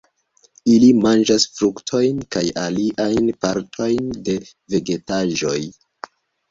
Ili manĝas fruktojn kaj aliajn partojn de vegetaĵoj.